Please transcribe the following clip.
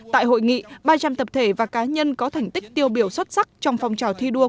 tại hội nghị ba trăm linh tập thể và cá nhân có thành tích tiêu biểu xuất sắc trong phong trào thi đua